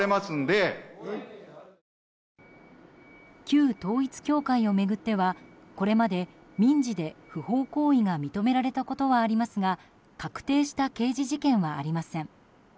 旧統一教会を巡ってはこれまで、民事で不法行為が認められたことはありますが確定した刑事事件はありません。